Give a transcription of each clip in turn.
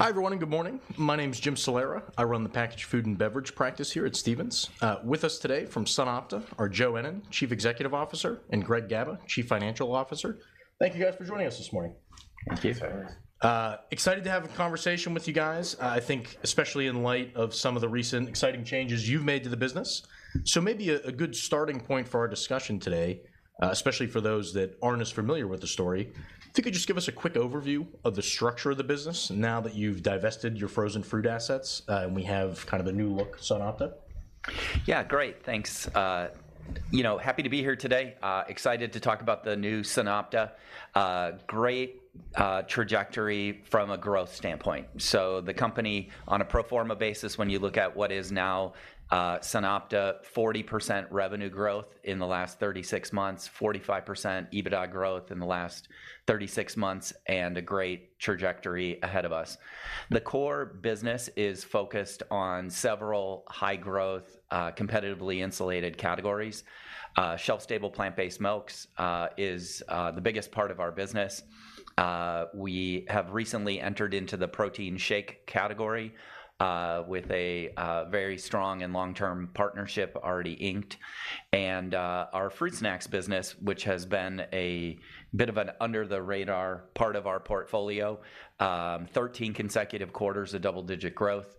Hi, everyone, and good morning. My name is Jim Salera. I run the packaged food and beverage practice here at Stephens. With us today from SunOpta are Joe Ennen, Chief Executive Officer, and Greg Gaba, Chief Financial Officer. Thank you guys for joining us this morning. Thank you. Thanks. Excited to have a conversation with you guys, I think especially in light of some of the recent exciting changes you've made to the business. So maybe a good starting point for our discussion today, especially for those that aren't as familiar with the story, if you could just give us a quick overview of the structure of the business now that you've divested your frozen fruit assets, and we have kind of the new look SunOpta. Yeah, great, thanks. You know, happy to be here today. Excited to talk about the new SunOpta. Great trajectory from a growth standpoint. So the company, on a pro forma basis, when you look at what is now SunOpta, 40% revenue growth in the last 36 months, 45% EBITDA growth in the last 36 months, and a great trajectory ahead of us. The core business is focused on several high growth, competitively insulated categories. Shelf-stable, plant-based milks is the biggest part of our business. We have recently entered into the protein shake category with a very strong and long-term partnership already inked. Our fruit snacks business, which has been a bit of an under-the-radar part of our portfolio, 13 consecutive quarters of double-digit growth,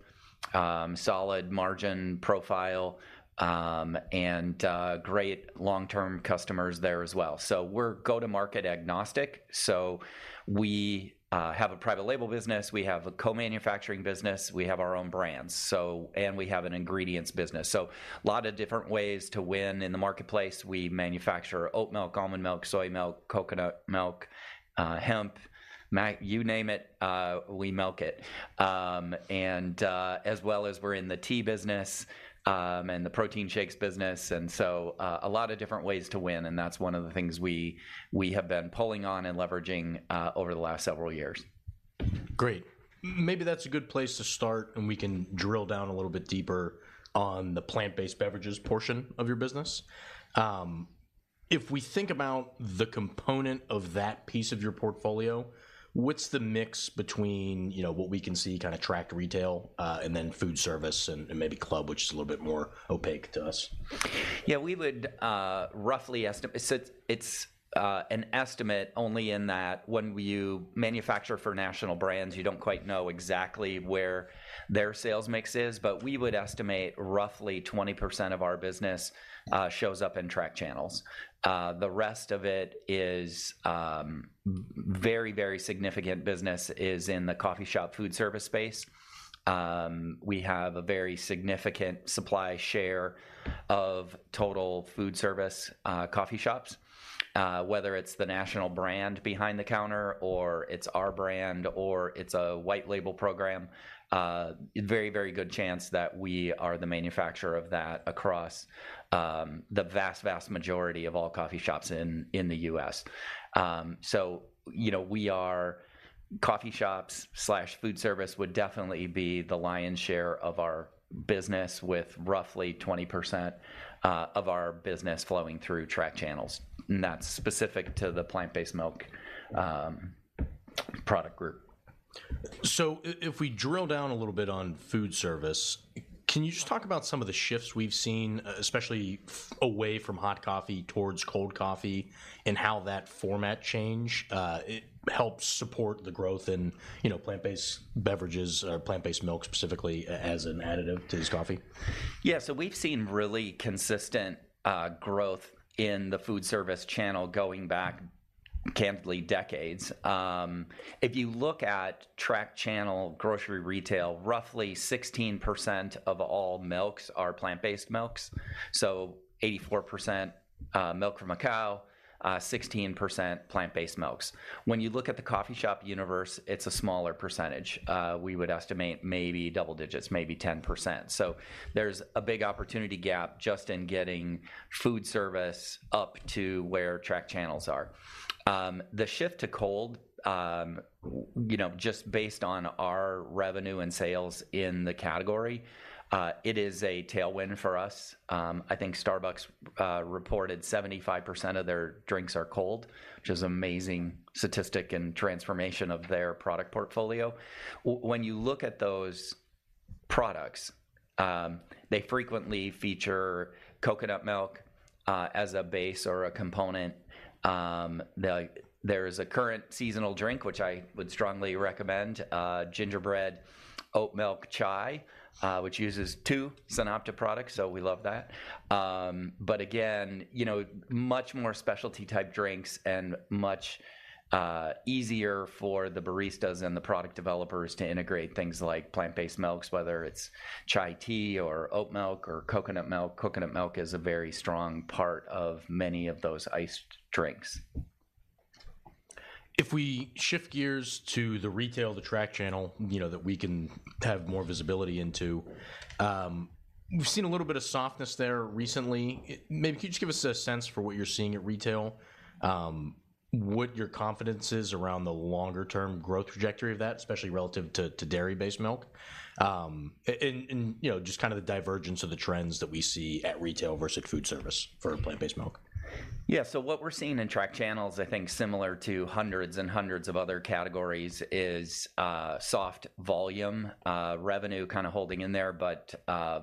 solid margin profile, and great long-term customers there as well. So we're go-to-market agnostic, so we have a private label business, we have a co-manufacturing business, we have our own brands. And we have an ingredients business. So a lot of different ways to win in the marketplace. We manufacture oat milk, almond milk, soy milk, coconut milk, hemp. You name it, we milk it. And as well as we're in the tea business, and the protein shakes business, and so a lot of different ways to win, and that's one of the things we have been pulling on and leveraging over the last several years. Great. Maybe that's a good place to start, and we can drill down a little bit deeper on the plant-based beverages portion of your business. If we think about the component of that piece of your portfolio, what's the mix between, you know, what we can see, kind of tracked retail, and then food service and, and maybe club, which is a little bit more opaque to us? Yeah, we would roughly estimate. So it's an estimate only in that when you manufacture for national brands, you don't quite know exactly where their sales mix is. But we would estimate roughly 20% of our business shows up in retail channels. The rest of it is very, very significant business is in the coffee shop food service space. We have a very significant supply share of total food service coffee shops. Whether it's the national brand behind the counter or it's our brand, or it's a white label program, very, very good chance that we are the manufacturer of that across the vast, vast majority of all coffee shops in the U.S. So you know, where coffee shops/food service would definitely be the lion's share of our business, with roughly 20% of our business flowing through retail channels, and that's specific to the plant-based milk product group. So if we drill down a little bit on food service, can you just talk about some of the shifts we've seen, especially away from hot coffee towards cold coffee, and how that format change it helps support the growth in, you know, plant-based beverages or plant-based milk specifically, as an additive to this coffee? Yeah. So we've seen really consistent growth in the food service channel going back arguably decades. If you look at brick channel grocery retail, roughly 16% of all milks are plant-based milks. So 84% milk from a cow, 16% plant-based milks. When you look at the coffee shop universe, it's a smaller percentage. We would estimate maybe double digits, maybe 10%. There's a big opportunity gap just in getting food service up to where brick channels are. The shift to cold, you know, just based on our revenue and sales in the category, it is a tailwind for us. I think Starbucks reported 75% of their drinks are cold, which is amazing statistic and transformation of their product portfolio. When you look at those products, they frequently feature coconut milk, as a base or a component. There is a current seasonal drink, which I would strongly recommend, Gingerbread Oatmilk Chai, which uses two SunOpta products, so we love that. But again, you know, much more specialty-type drinks and much easier for the baristas and the product developers to integrate things like plant-based milks, whether it's chai tea or oat milk or coconut milk. Coconut milk is a very strong part of many of those iced drinks. If we shift gears to the retail, the track channel, you know, that we can have more visibility into, we've seen a little bit of softness there recently. Maybe could you just give us a sense for what you're seeing at retail, what your confidence is around the longer term growth trajectory of that, especially relative to dairy-based milk? And you know, just the divergence of the trends that we see at retail versus food service for plant-based milk. Yeah, so what we're seeing in track channels, I think similar to hundreds and hundreds of other categories, is soft volume, revenue kind of holding in there, but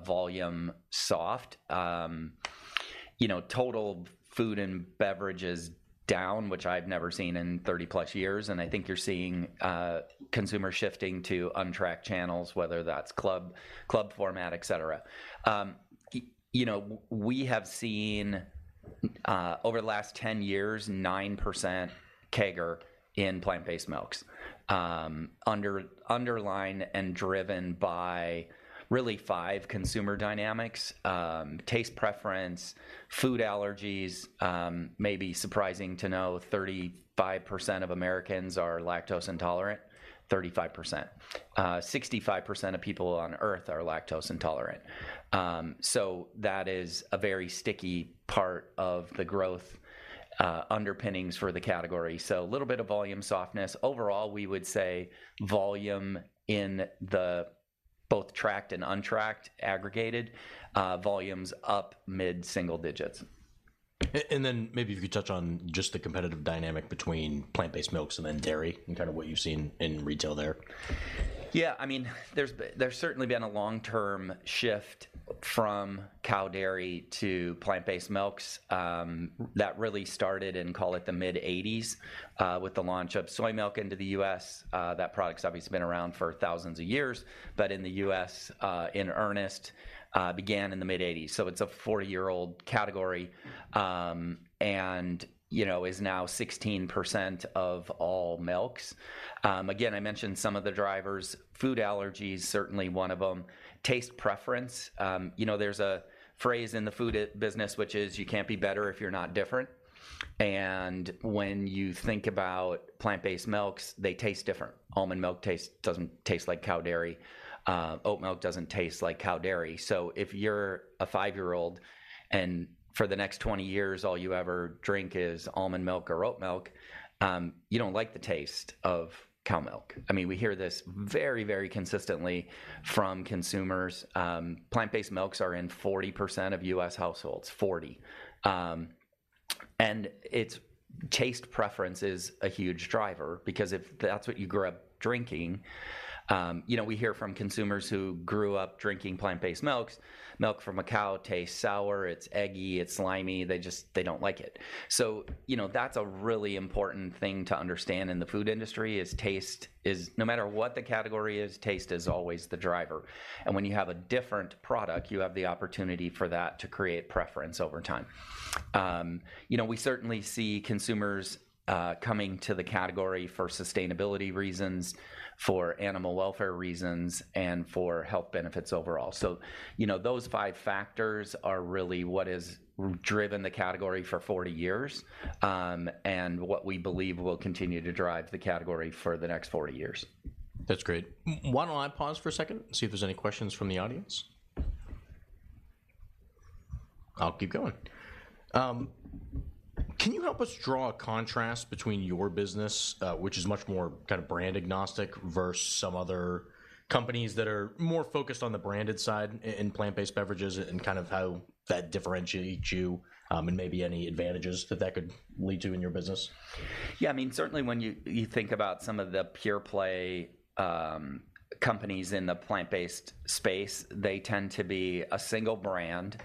volume soft. You know, total food and beverage is down, which I've never seen in 30+ years, and I think you're seeing consumer shifting to untracked channels, whether that's club, club format, et cetera. We have seen over the last 10 years, 9% CAGR in plant-based milks. Underpinned and driven by really five consumer dynamics: taste preference, food allergies. May be surprising to know 35% of Americans are lactose intolerant, 35%. 65% of people on Earth are lactose intolerant. So that is a very sticky part of the growth underpinnings for the category. So a little bit of volume softness. Overall, we would say volume in the both tracked and untracked aggregated, volume's up mid-single digits. And then maybe if you could touch on just the competitive dynamic between plant-based milks and then dairy, and kind of what you've seen in retail there. Yeah, I mean, there's certainly been a long-term shift from cow dairy to plant-based milks. That really started in, call it, the mid-eighties, with the launch of soy milk into the U.S. That product's obviously been around for thousands of years, but in the U.S., in earnest, began in the mid-eighties. So it's a 40-year-old category, and, you know, is now 16% of all milks. Again, I mentioned some of the drivers, food allergies, certainly one of them. Taste preference. You know, there's a phrase in the food business, which is: You can't be better if you're not different. And when you think about plant-based milks, they taste different. Almond milk taste doesn't taste like cow dairy. Oat milk doesn't taste like cow dairy. So if you're a five-year-old, and for the next 20 years, all you ever drink is almond milk or oat milk, you don't like the taste of cow milk. I mean, we hear this very, very consistently from consumers. Plant-based milks are in 40% of U.S. households. Forty. And it's... taste preference is a huge driver because if that's what you grew up drinking... You know, we hear from consumers who grew up drinking plant-based milks, milk from a cow tastes sour, it's eggy, it's slimy. They just, they don't like it. So, you know, that's a really important thing to understand in the food industry, is taste, is no matter what the category is, taste is always the driver. And when you have a different product, you have the opportunity for that to create preference over time. You know, we certainly see consumers coming to the category for sustainability reasons, for animal welfare reasons, and for health benefits overall. You know, those five factors are really what has driven the category for 40 years, and what we believe will continue to drive the category for the next 40 years. That's great. Why don't I pause for a second, see if there's any questions from the audience? I'll keep going. Can you help us draw a contrast between your business, which is much more kind of brand agnostic, versus some other companies that are more focused on the branded side in plant-based beverages and how that differentiates you, and maybe any advantages that that could lead to in your business? Yeah, I mean, certainly when you think about some of the pure play companies in the plant-based space, they tend to be a single brand,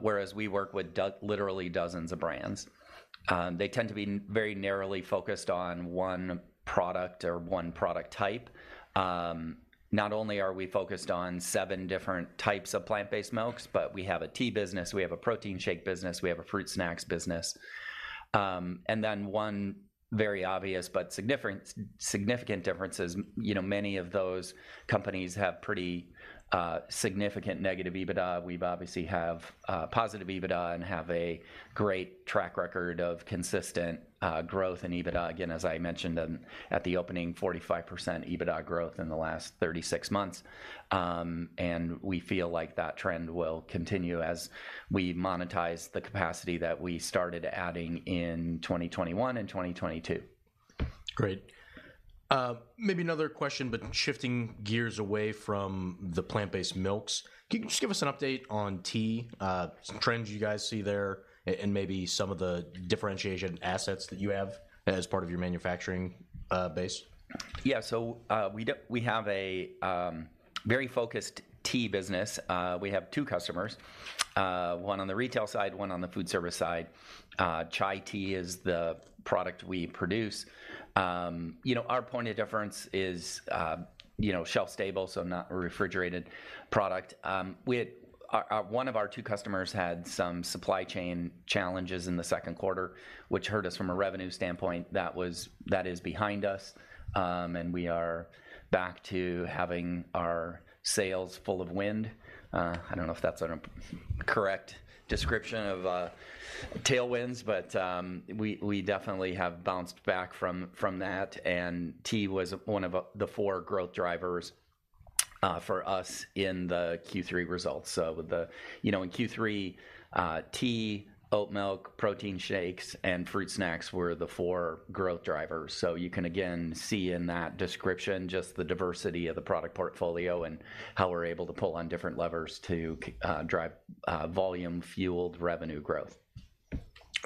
whereas we work with literally dozens of brands. They tend to be very narrowly focused on one product or one product type. Not only are we focused on seven different types of plant-based milks, but we have a tea business, we have a protein shake business, we have a fruit snacks business. And then one very obvious but significant, significant differences, you know, many of those companies have pretty significant negative EBITDA. We've obviously have positive EBITDA and have a great track record of consistent growth in EBITDA. Again, as I mentioned at the opening, 45% EBITDA growth in the last 36 months. We feel like that trend will continue as we monetize the capacity that we started adding in 2021 and 2022. Great. Maybe another question, but shifting gears away from the plant-based milks, can you just give us an update on tea, some trends you guys see there, and maybe some of the differentiation assets that you have as part of your manufacturing base? Yeah. So, we have a very focused tea business. We have two customers, one on the retail side, one on the food service side. Chai tea is the product we produce. You know, our point of difference is, you know, shelf-stable, so not a refrigerated product. We had one of our two customers had some supply chain challenges in the second quarter, which hurt us from a revenue standpoint. That was, that is behind us, and we are back to having our sales full of wind. I don't know if that's a correct description of tailwinds, but we definitely have bounced back from that, and tea was one of the four growth drivers for us in the Q3 results. So with the, you know, in Q3, tea, oat milk, protein shakes, and fruit snacks were the four growth drivers. So you can again see in that description just the diversity of the product portfolio and how we're able to pull on different levers to drive volume-fueled revenue growth.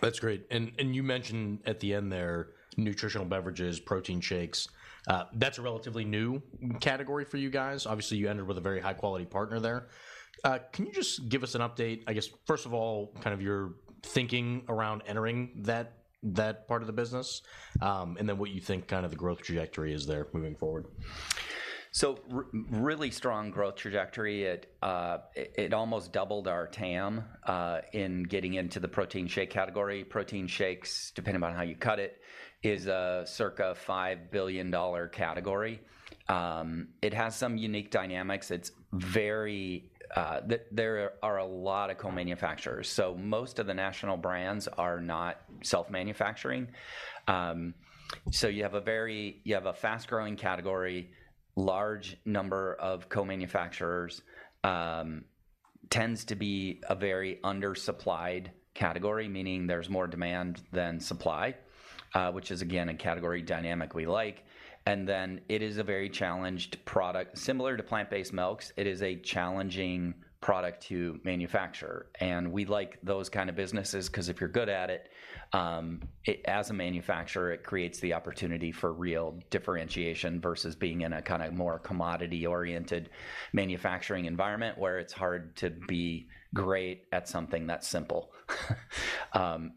That's great. And you mentioned at the end there nutritional beverages, protein shakes. That's a relatively new category for you guys. Obviously, you ended with a very high-quality partner there. Can you just give us an update, I guess, first of all, kind of your thinking around entering that part of the business, and then what you think kind of the growth trajectory is there moving forward? So really strong growth trajectory. It almost doubled our TAM in getting into the protein shake category. Protein shakes, depending on how you cut it, is a circa $5 billion category. It has some unique dynamics. It's very... there are a lot of co-manufacturers, so most of the national brands are not self-manufacturing. So you have a fast-growing category, large number of co-manufacturers, tends to be a very undersupplied category, meaning there's more demand than supply, which is again, a category dynamic we like. And then it is a very challenged product. Similar to plant-based milks, it is a challenging product to manufacture, and we like those kind of businesses 'cause if you're good at it, as a manufacturer, it creates the opportunity for real differentiation versus being in a kind of more commodity-oriented manufacturing environment, where it's hard to be great at something that simple.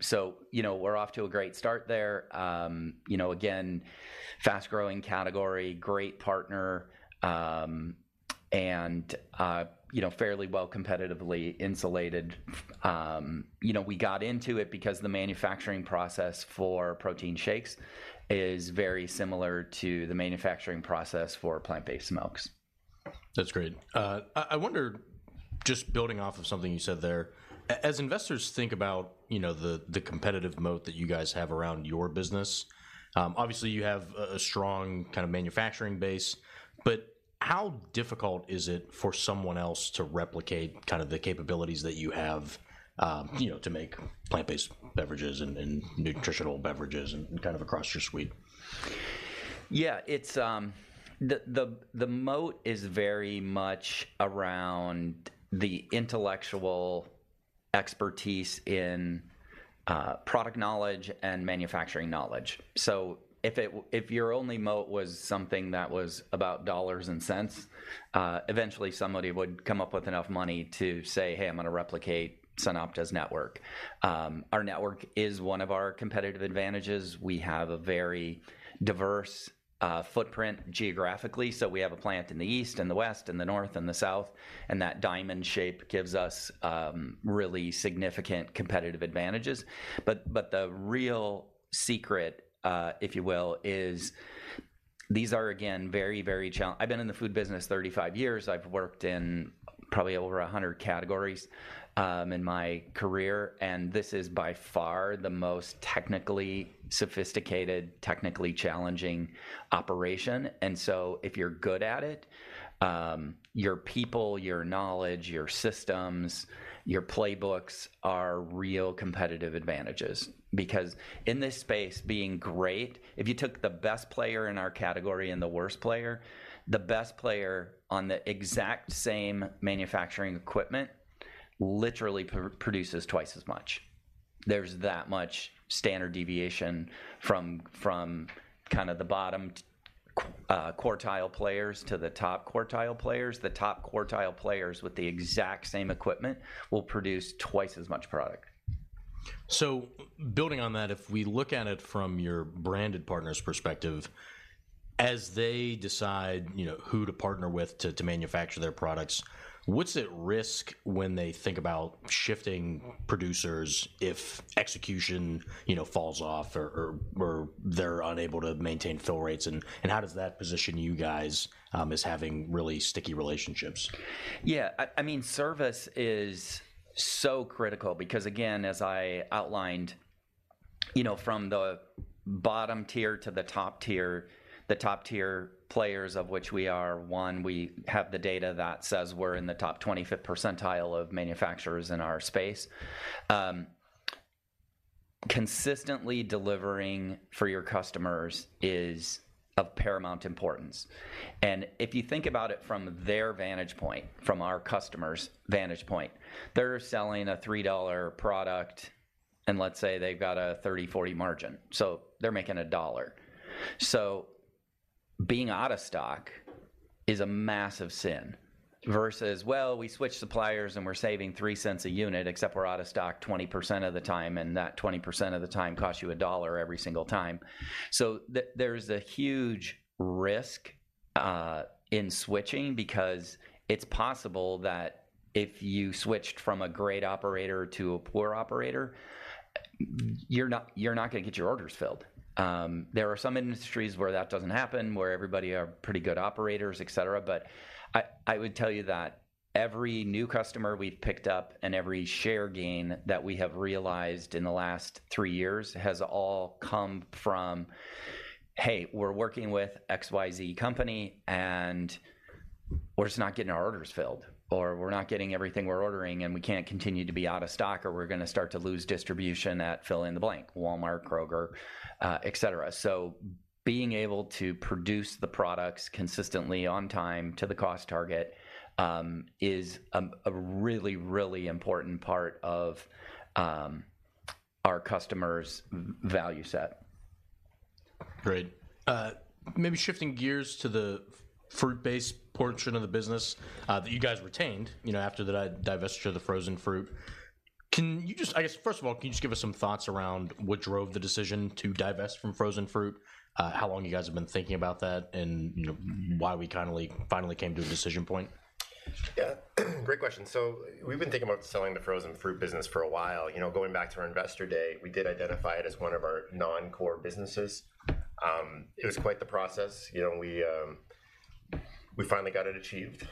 So you know, we're off to a great start there. You know, again, fast-growing category, great partner, and you know, fairly well competitively insulated. We got into it because the manufacturing process for protein shakes is very similar to the manufacturing process for plant-based milks. That's great. I wonder, just building off of something you said there, as investors think about, you know, the competitive moat that you guys have around your business, obviously, you have a strong kind of manufacturing base, but how difficult is it for someone else to replicate the capabilities that you have, you know, to make plant-based beverages and nutritional beverages and kind of across your suite? Yeah, it's. The moat is very much around the intellectual expertise in product knowledge and manufacturing knowledge. So if it, if your only moat was something that was about dollars and cents, eventually somebody would come up with enough money to say, "Hey, I'm gonna replicate SunOpta's network." Our network is one of our competitive advantages. We have a very diverse footprint geographically. So we have a plant in the east and the west and the north and the south, and that diamond shape gives us really significant competitive advantages. But the real secret, if you will, is these are, again, very, very challenging. I've been in the food business 35 years. I've worked in probably over 100 categories in my career, and this is by far the most technically sophisticated, technically challenging operation. And so if you're good at it, your people, your knowledge, your systems, your playbooks are real competitive advantages. Because in this space, being great... If you took the best player in our category and the worst player, the best player on the exact same manufacturing equipment literally produces twice as much. There's that much standard deviation from kind of the bottom quartile players to the top quartile players. The top quartile players with the exact same equipment will produce twice as much product. So building on that, if we look at it from your branded partner's perspective, as they decide, you know, who to partner with to manufacture their products, what's at risk when they think about shifting producers if execution, you know, falls off or they're unable to maintain fill rates, and how does that position you guys as having really sticky relationships? Yeah, I mean, service is so critical because, again, as I outlined, you know, from the bottom tier to the top tier, the top-tier players of which we are one, we have the data that says we're in the top 25th percentile of manufacturers in our space. Consistently delivering for your customers is of paramount importance. And if you think about it from their vantage point, from our customer's vantage point, they're selling a $3 product, and let's say they've got a 30%-40% margin, so they're making $1. So being out of stock is a massive sin versus, "Well, we switched suppliers, and we're saving $0.03 a unit, except we're out of stock 20% of the time," and that 20% of the time costs you $1 every single time. So there's a huge risk in switching because it's possible that if you switched from a great operator to a poor operator, you're not gonna get your orders filled. There are some industries where that doesn't happen, where everybody are pretty good operators, et cetera, but I would tell you that... Every new customer we've picked up and every share gain that we have realized in the last three years has all come from, "Hey, we're working with XYZ company, and we're just not getting our orders filled," or, "We're not getting everything we're ordering, and we can't continue to be out of stock, or we're gonna start to lose distribution at," fill in the blank, Walmart, Kroger, et cetera. So being able to produce the products consistently on time to the cost target is a really, really important part of our customers' value set. Great. Maybe shifting gears to the fruit-based portion of the business, that you guys retained, you know, after the divestiture of the frozen fruit. Can you just... I guess, first of all, can you just give us some thoughts around what drove the decision to divest from frozen fruit, how long you guys have been thinking about that, and, you know, why we finally, finally came to a decision point? Yeah, great question. So we've been thinking about selling the frozen fruit business for a while. You know, going back to our Investor Day, we did identify it as one of our non-core businesses. It was quite the process. You know, we finally got it achieved.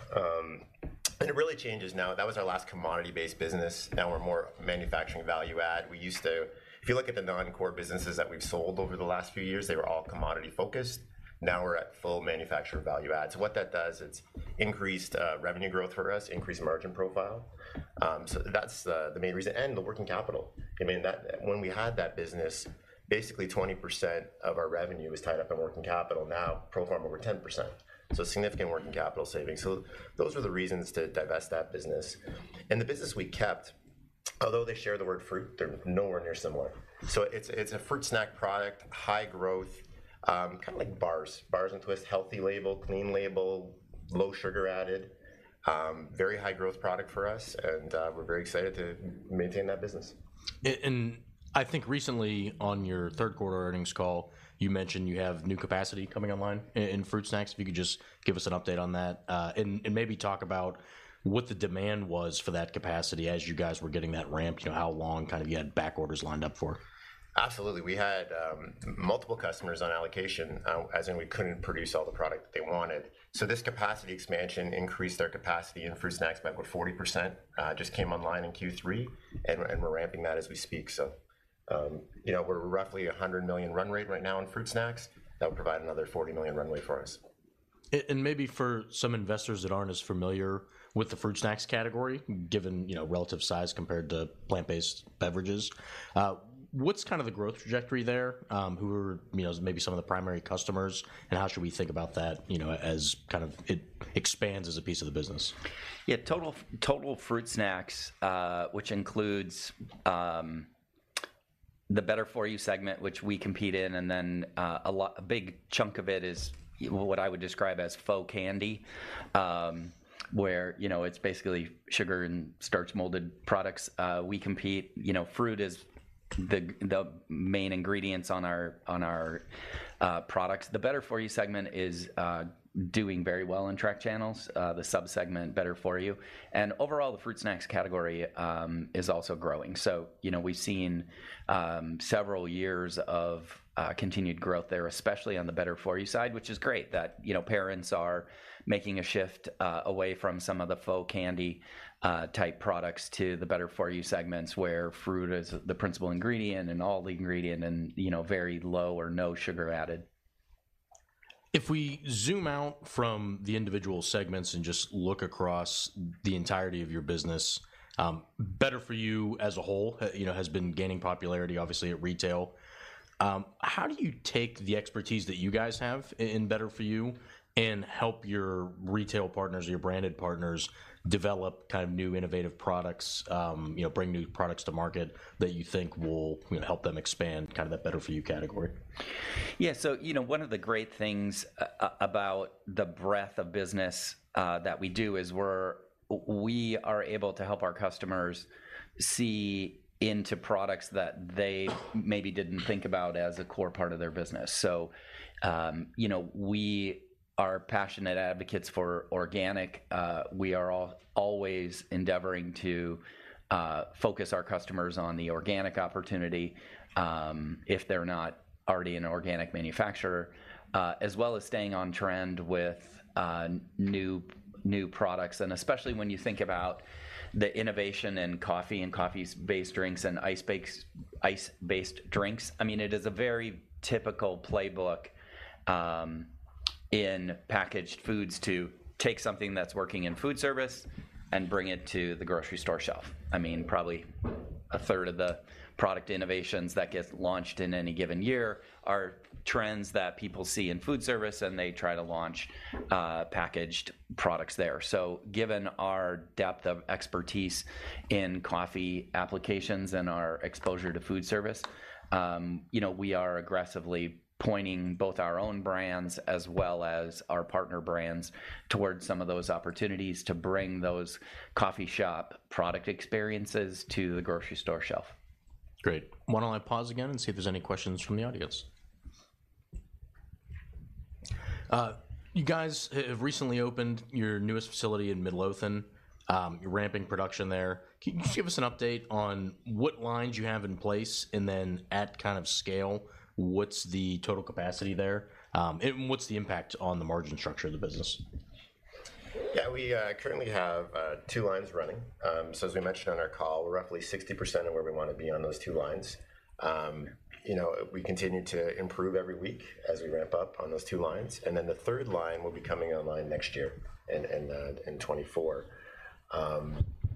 And it really changes now. That was our last commodity-based business. Now, we're more manufacturing value add. We used to... If you look at the non-core businesses that we've sold over the last few years, they were all commodity focused. Now, we're at full manufacturer value add. So what that does, it's increased revenue growth for us, increased margin profile. So that's the main reason, and the working capital. I mean, that, when we had that business, basically, 20% of our revenue was tied up in working capital. Now, pro forma, we're 10%, so significant working capital savings. So those were the reasons to divest that business. And the business we kept, although they share the word fruit, they're nowhere near similar. So it's, it's a fruit snack product, high growth, kind of like bars, bars and twists, healthy label, clean label, low sugar added. Very high growth product for us, and, we're very excited to maintain that business. I think recently on your third quarter earnings call, you mentioned you have new capacity coming online in fruit snacks. If you could just give us an update on that, and maybe talk about what the demand was for that capacity as you guys were getting that ramped, and how long kind of you had back orders lined up for? Absolutely. We had multiple customers on allocation, as in we couldn't produce all the product that they wanted. So this capacity expansion increased our capacity in fruit snacks by about 40%. Just came online in Q3, and we're ramping that as we speak. So, you know, we're roughly a $100 million run rate right now in fruit snacks. That will provide another $40 million runway for us. And maybe for some investors that aren't as familiar with the fruit snacks category, given, you know, relative size compared to plant-based beverages, what's kind of the growth trajectory there? Who are, you know, maybe some of the primary customers, and how should we think about that, you know, as kind of it expands as a piece of the business? Yeah, total fruit snacks, which includes the better for you segment, which we compete in, and then a lot. A big chunk of it is what I would describe as faux candy. Where, you know, it's basically sugar and starch molded products, we compete. You know, fruit is the main ingredients on our products. The better for you segment is doing very well in retail channels, the sub-segment better for you. And overall, the fruit snacks category is also growing. So, you know, we've seen several years of continued growth there, especially on the better for you side, which is great that parents are making a shift away from some of the faux candy type products to the better for you segments, where fruit is the principal ingredient and all the ingredient and, you know, very low or no sugar added. If we zoom out from the individual segments and just look across the entirety of your business, better for you as a whole, you know, has been gaining popularity, obviously, at retail. How do you take the expertise that you guys have in better for you and help your retail partners or your branded partners develop kind of new innovative products bring new products to market that you think will, you know, help them expand kind of that better for you category? Yeah, so, you know, one of the great things about the breadth of business that we do is we're we are able to help our customers see into products that they maybe didn't think about as a core part of their business. So, you know, we are passionate advocates for organic. We are always endeavoring to focus our customers on the organic opportunity, if they're not already an organic manufacturer, as well as staying on trend with new products. And especially when you think about the innovation in coffee and coffee-based drinks and ice-based drinks, I mean, it is a very typical playbook in packaged foods to take something that's working in food service and bring it to the grocery store shelf. I mean, probably a third of the product innovations that get launched in any given year are trends that people see in food service, and they try to launch, packaged products there. So given our depth of expertise in coffee applications and our exposure to food service, you know, we are aggressively pointing both our own brands as well as our partner brands towards some of those opportunities to bring those coffee shop product experiences to the grocery store shelf. Great. Why don't I pause again and see if there's any questions from the audience? You guys have recently opened your newest facility in Midlothian, you're ramping production there. Can you just give us an update on what lines you have in place, and then at kind of scale, what's the total capacity there? And what's the impact on the margin structure of the business?... Yeah, we currently have two lines running. So as we mentioned on our call, we're roughly 60% of where we wanna be on those two lines. You know, we continue to improve every week as we ramp up on those two lines, and then the third line will be coming online next year in 2024.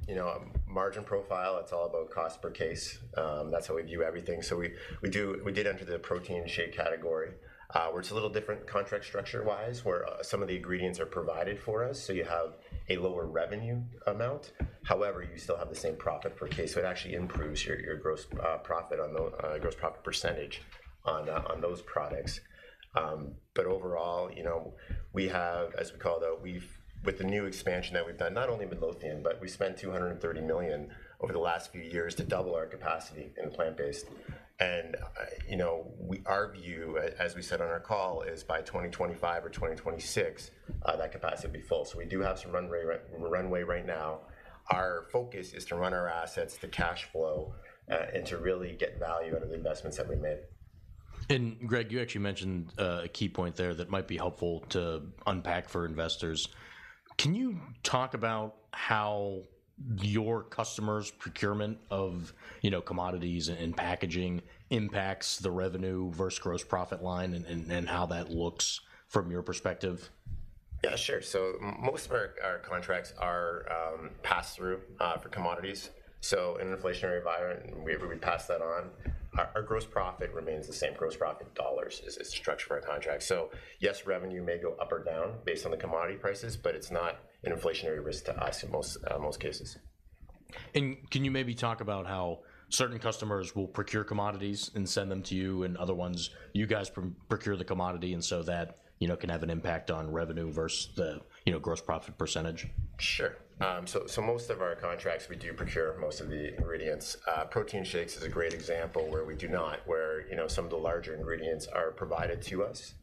You know, margin profile, it's all about cost per case. That's how we view everything. So we did enter the protein shake category. Where it's a little different contract structure-wise, where some of the ingredients are provided for us, so you have a lower revenue amount. However, you still have the same profit per case, so it actually improves your gross profit on the gross profit percentage on those products. But overall, you know, we have, as we call it, with the new expansion that we've done, not only with Midlothian, but we spent $230 million over the last few years to double our capacity in plant-based. And, you know, our view, as we said on our call, is by 2025 or 2026, that capacity will be full. So we do have some runway right now. Our focus is to run our assets, the cash flow, and to really get value out of the investments that we made. Greg, you actually mentioned a key point there that might be helpful to unpack for investors. Can you talk about how your customers' procurement of, you know, commodities and packaging impacts the revenue versus gross profit line, and how that looks from your perspective? Yeah, sure. So most of our contracts are pass through for commodities. So in an inflationary environment, we pass that on. Our gross profit remains the same gross profit dollars as structured for our contract. So yes, revenue may go up or down based on the commodity prices, but it's not an inflationary risk to us in most cases. Can you maybe talk about how certain customers will procure commodities and send them to you and other ones you guys procure the commodity, and so that, you know, can have an impact on revenue versus the, you know, gross profit percentage? Sure. So most of our contracts, we do procure most of the ingredients. Protein shakes is a great example where we do not, you know, some of the larger ingredients are provided to us.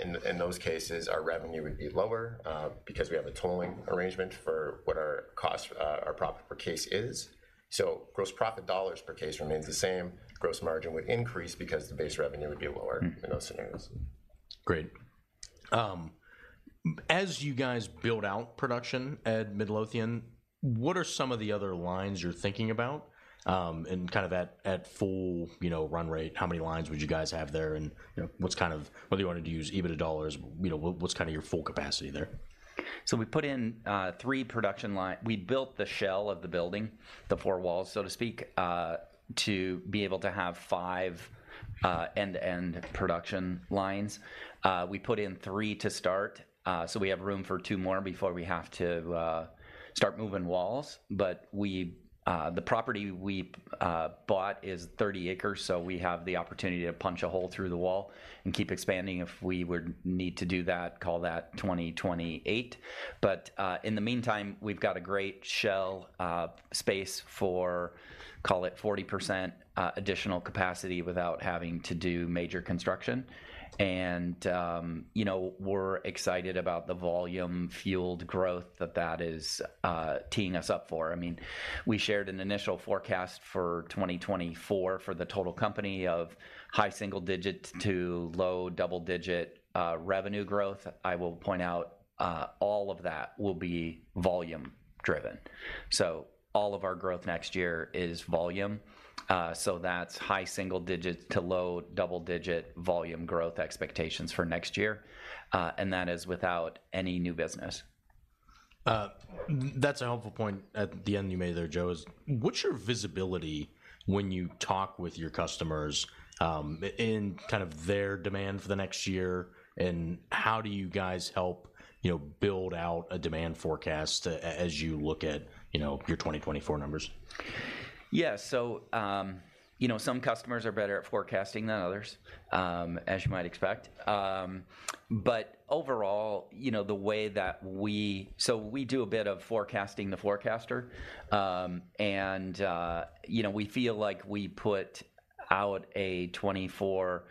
In those cases, our revenue would be lower, because we have a tolling arrangement for what our cost, our profit per case is. So gross profit dollars per case remains the same. Gross margin would increase because the base revenue would be lower- Mm... in those scenarios. Great. As you guys build out production at Midlothian, what are some of the other lines you're thinking about? And kind of at full, you know, run rate, how many lines would you guys have there? And, you know, what's kind of... Whether you wanted to use EBITDA dollars what, what's kind of your full capacity there? So we put in three production line. We built the shell of the building, the four walls, so to speak, to be able to have five end-to-end production lines. We put in three to start, so we have room for two more before we have to start moving walls. But, the property we bought is 30 acres, so we have the opportunity to punch a hole through the wall and keep expanding if we would need to do that, call that 2028. But, in the meantime, we've got a great shell space for, call it 40%, additional capacity without having to do major construction. And, you know, we're excited about the volume-fueled growth that that is teeing us up for. I mean, we shared an initial forecast for 2024 for the total company of high single digits to low double-digit revenue growth. I will point out, all of that will be volume driven. So all of our growth next year is volume. So that's high single digits to low double-digit volume growth expectations for next year, and that is without any new business. That's a helpful point at the end you made there, Joe, is what's your visibility when you talk with your customers, in kind of their demand for the next year, and how do you guys help, you know, build out a demand forecast as you look at, you know, your 2024 numbers? Yeah. So, you know, some customers are better at forecasting than others, as you might expect. But overall, you know, the way that we... So we do a bit of forecasting the forecaster. And, you know, we feel like we put out a 24,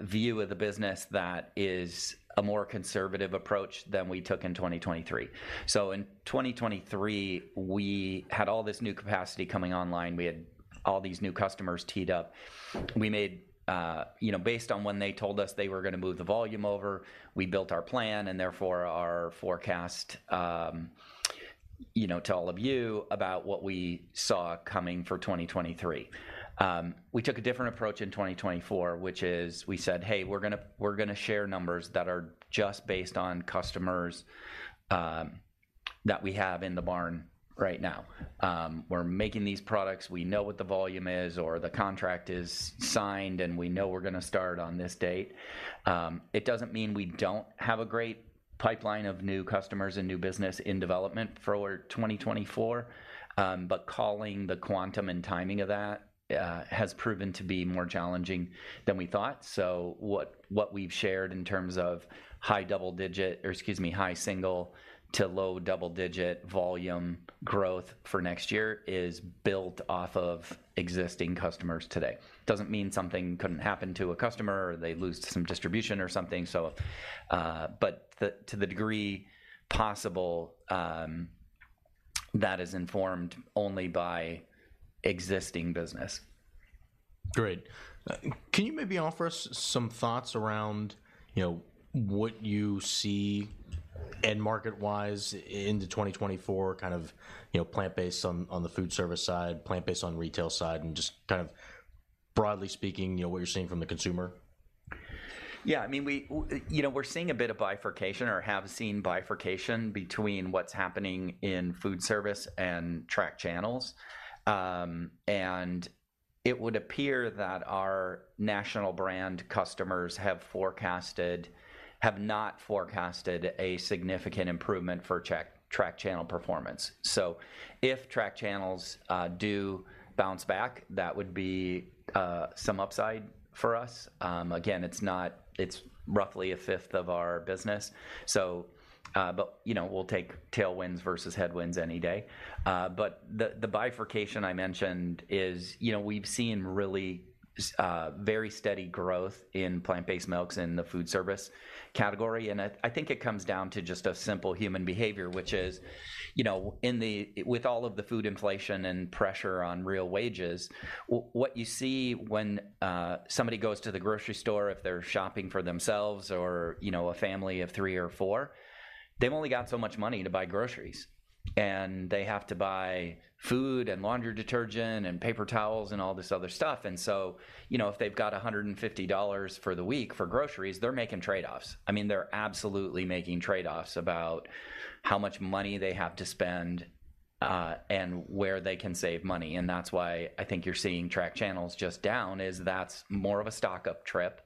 view of the business that is a more conservative approach than we took in 2023. So in 2023, we had all this new capacity coming online. We had all these new customers teed up. We made... You know, based on when they told us they were gonna move the volume over, we built our plan, and therefore our forecast to all of you about what we saw coming for 2023. We took a different approach in 2024, which is we said: Hey, we're gonna share numbers that are just based on customers that we have in the barn right now. We're making these products. We know what the volume is, or the contract is signed, and we know we're gonna start on this date. It doesn't mean we don't have a great pipeline of new customers and new business in development for 2024, but calling the quantum and timing of that has proven to be more challenging than we thought. So what we've shared in terms of high double-digit, or excuse me, high single- to low double-digit volume growth for next year is built off of existing customers today. Doesn't mean something couldn't happen to a customer, or they lose some distribution or something. But to the degree possible, that is informed only by existing business.... Great. Can you maybe offer us some thoughts around, you know, what you see end market-wise into 2024, kind of, you know, plant-based on, on the food service side, plant-based on retail side, and just kind of broadly speaking, you know, what you're seeing from the consumer? Yeah, I mean, we, you know, we're seeing a bit of bifurcation or have seen bifurcation between what's happening in food service and track channels. And it would appear that our national brand customers have forecasted—have not forecasted a significant improvement for check-track channel performance. So if track channels do bounce back, that would be some upside for us. Again, it's not... It's roughly a fifth of our business, so, but, you know, we'll take tailwinds versus headwinds any day. But the bifurcation I mentioned is, you know, we've seen really very steady growth in plant-based milks in the food service category. I think it comes down to just a simple human behavior, which is, you know, in the with all of the food inflation and pressure on real wages, what you see when somebody goes to the grocery store, if they're shopping for themselves or, you know, a family of three or four, they've only got so much money to buy groceries. They have to buy food, and laundry detergent, and paper towels, and all this other stuff. And so, you know, if they've got $150 for the week for groceries, they're making trade-offs. I mean, they're absolutely making trade-offs about how much money they have to spend and where they can save money. And that's why I think you're seeing track channels just down, is that's more of a stock-up trip.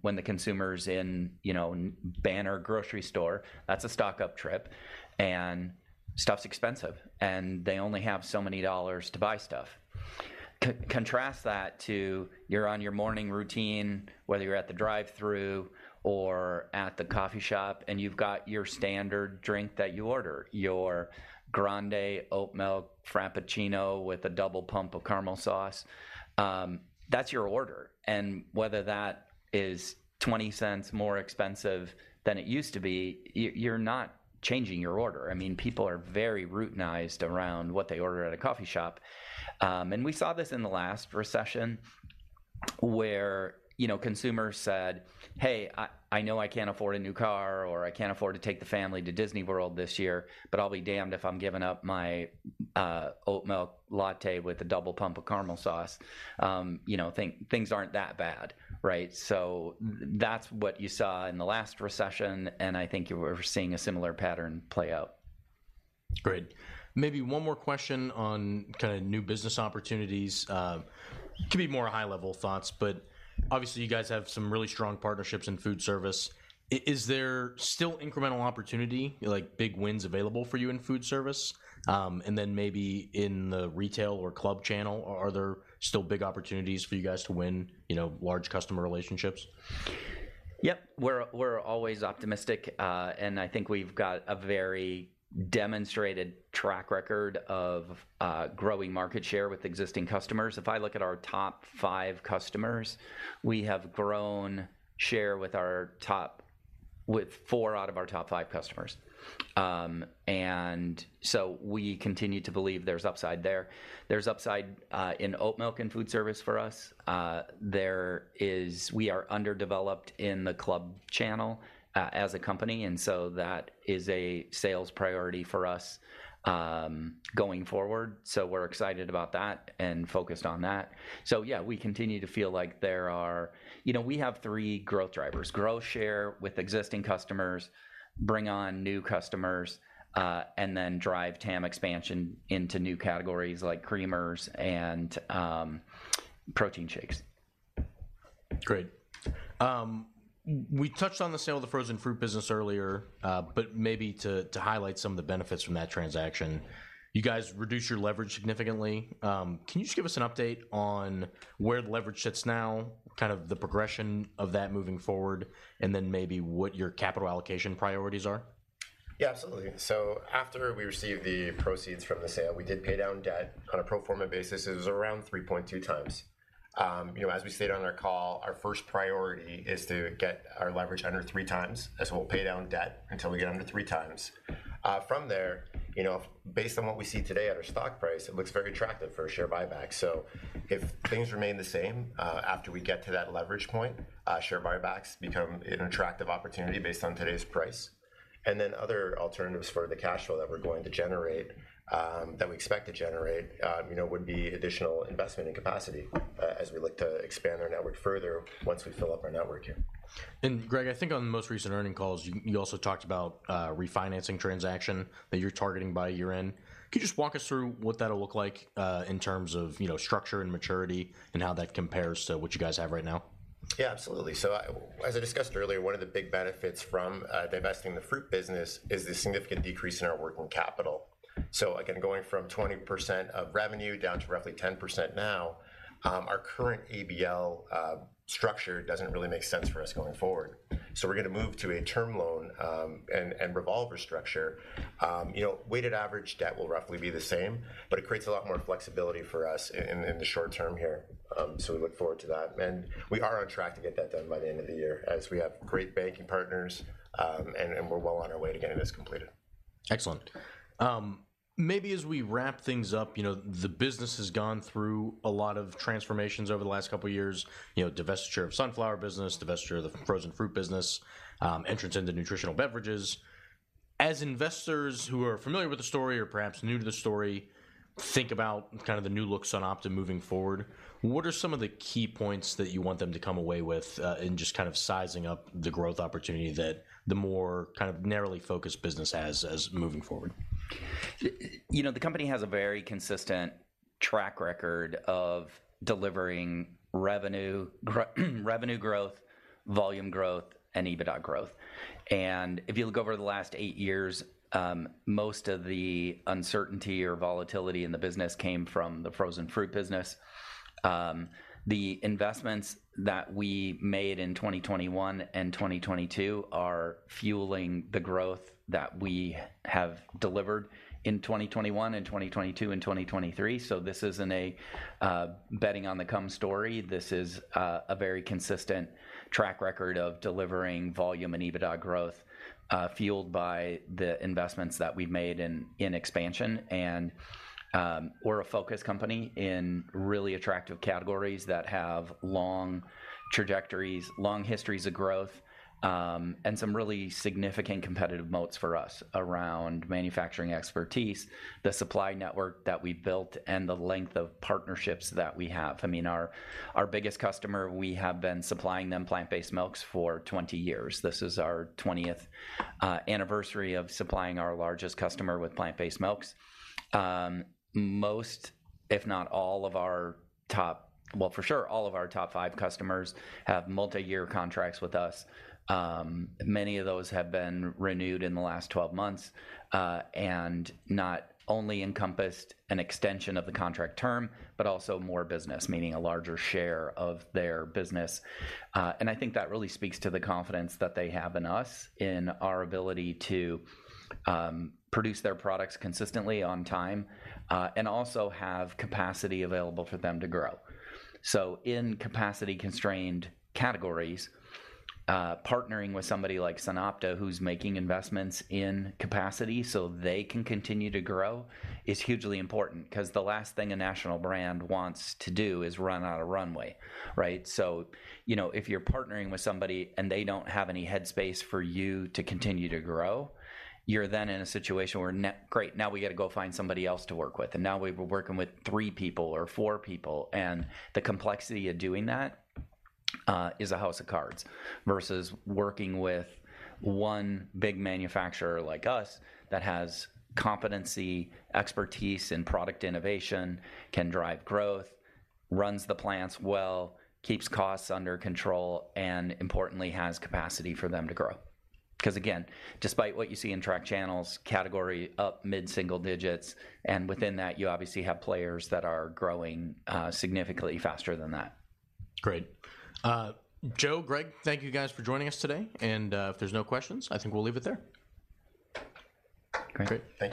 When the consumer's in, you know, banner grocery store, that's a stock-up trip, and stuff's expensive, and they only have so many dollars to buy stuff. Contrast that to you're on your morning routine, whether you're at the drive-thru or at the coffee shop, and you've got your standard drink that you order, your Grande oat milk Frappuccino with a double pump of caramel sauce. That's your order, and whether that is $0.20 more expensive than it used to be, you're not changing your order. I mean, people are very routinized around what they order at a coffee shop. And we saw this in the last recession, where, you know, consumers said, "Hey, I know I can't afford a new car," or, "I can't afford to take the family to Disney World this year, but I'll be damned if I'm giving up my oat milk latte with a double pump of caramel sauce." You know, things aren't that bad, right? So that's what you saw in the last recession, and I think you are seeing a similar pattern play out. Great. Maybe one more question on kind of new business opportunities. Could be more high-level thoughts, but obviously, you guys have some really strong partnerships in food service. Is there still incremental opportunity, like big wins available for you in food service? And then maybe in the retail or club channel, are there still big opportunities for you guys to win large customer relationships? Yep, we're always optimistic, and I think we've got a very demonstrated track record of growing market share with existing customers. If I look at our top five customers, we have grown share with four out of our top five customers. And so we continue to believe there's upside there. There's upside in oat milk and food service for us. We are underdeveloped in the club channel as a company, and so that is a sales priority for us going forward. So we're excited about that and focused on that. So yeah, we continue to feel like there are. You know, we have three growth drivers: grow share with existing customers, bring on new customers, and then drive TAM expansion into new categories like creamers and protein shakes. Great. We touched on the sale of the frozen fruit business earlier, but maybe to highlight some of the benefits from that transaction. You guys reduced your leverage significantly. Can you just give us an update on where the leverage sits now, kind of the progression of that moving forward, and then maybe what your capital allocation priorities are? Yeah, absolutely. So after we received the proceeds from the sale, we did pay down debt. On a pro forma basis, it was around 3.2x. You know, as we stated on our call, our first priority is to get our leverage under 3x, as we'll pay down debt until we get under 3x. From there, you know, based on what we see today at our stock price, it looks very attractive for a share buyback. So if things remain the same, after we get to that leverage point, share buybacks become an attractive opportunity based on today's price. Then other alternatives for the cash flow that we're going to generate, that we expect to generate, you know, would be additional investment and capacity, as we look to expand our network further once we fill up our network here. Greg, I think on the most recent earnings calls, you also talked about the refinancing transaction that you're targeting by year-end. Could you just walk us through what that'll look like in terms of, you know, structure and maturity, and how that compares to what you guys have right now? Yeah, absolutely. So as I discussed earlier, one of the big benefits from divesting the fruit business is the significant decrease in our working capital. So again, going from 20% of revenue down to roughly 10% now, our current ABL structure doesn't really make sense for us going forward. So we're gonna move to a term loan and revolver structure. You know, weighted average debt will roughly be the same, but it creates a lot more flexibility for us in the short term here. So we look forward to that. And we are on track to get that done by the end of the year, as we have great banking partners and we're well on our way to getting this completed.... Excellent. Maybe as we wrap things up the business has gone through a lot of transformations over the last couple of years. You know, divestiture of sunflower business, divestiture of the frozen fruit business, entrance into nutritional beverages. As investors who are familiar with the story or perhaps new to the story, think about kind of the new look SunOpta moving forward, what are some of the key points that you want them to come away with, in just kind of sizing up the growth opportunity that the more kind of narrowly focused business has as moving forward? You know, the company has a very consistent track record of delivering revenue, revenue growth, volume growth, and EBITDA growth. And if you look over the last eight years, most of the uncertainty or volatility in the business came from the frozen fruit business. The investments that we made in 2021 and 2022 are fueling the growth that we have delivered in 2021 and 2022 and 2023. So this isn't a betting on the come story. This is a very consistent track record of delivering volume and EBITDA growth, fueled by the investments that we've made in expansion. And we're a focus company in really attractive categories that have long trajectories, long histories of growth, and some really significant competitive moats for us around manufacturing expertise, the supply network that we built, and the length of partnerships that we have. I mean, our biggest customer, we have been supplying them plant-based milks for 20 years. This is our 20th anniversary of supplying our largest customer with plant-based milks. Well, for sure, all of our top 5 customers have multi-year contracts with us. Many of those have been renewed in the last 12 months, and not only encompassed an extension of the contract term, but also more business, meaning a larger share of their business. And I think that really speaks to the confidence that they have in us, in our ability to produce their products consistently on time, and also have capacity available for them to grow. So in capacity-constrained categories, partnering with somebody like SunOpta, who's making investments in capacity so they can continue to grow, is hugely important because the last thing a national brand wants to do is run out of runway, right? If you're partnering with somebody and they don't have any head space for you to continue to grow, you're then in a situation where great, now we got to go find somebody else to work with, and now we're working with three people or four people, and the complexity of doing that is a house of cards. Versus working with one big manufacturer like us that has competency, expertise in product innovation, can drive growth, runs the plants well, keeps costs under control, and importantly, has capacity for them to grow. Because again, despite what you see in retail channels, category up mid-single digits, and within that, you obviously have players that are growing significantly faster than that. Great. Joe, Greg, thank you guys for joining us today, and if there's no questions, I think we'll leave it there. Great. Thank you.